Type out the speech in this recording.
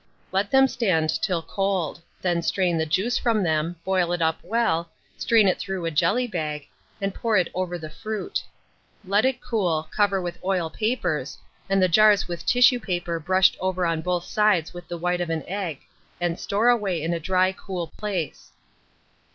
Let them stand till cold; then strain the juice from them, boil it up well, strain it through a jelly bag, and pour it over the fruit. Let it cool, cover with oiled papers, and the jars with tissue paper brushed over on both sides with the white of an egg, and store away in a dry cool place.